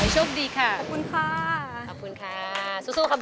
โชคดีค่ะสู้สู้ค่ะบุ๊บขอบคุณค่ะสู้สู้ค่ะบุ๊บ